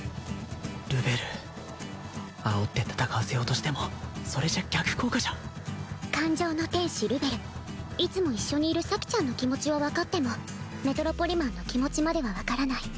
ルベルあおって戦わせようとしてもそれじゃ逆効果じゃ感情の天使ルベルいつも一緒にいる咲ちゃんの気持ちは分かってもメトロポリマンの気持ちまでは分からない